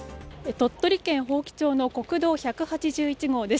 鳥取県伯耆町の国道１８１号です。